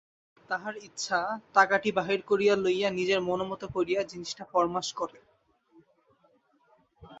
তাহার ইচ্ছা, টাকাটা বাহির করিয়া লইয়া নিজের মনোমত করিয়া জিনিসটা ফরমাশ করে।